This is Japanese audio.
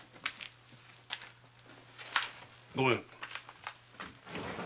御免。